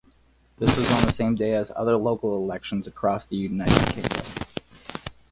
This was on the same day as other local elections across the United Kingdom.